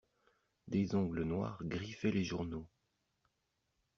Des ongles noirs griffaient les journaux.